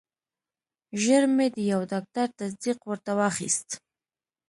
ژر مې د یو ډاکټر تصدیق ورته واخیست.